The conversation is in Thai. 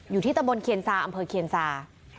อยู่ที่ตะบนเคียนซาอำเภอเคียนซา